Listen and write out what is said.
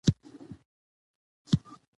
کښتۍ ډوبه شوه او دواړه مړه شول.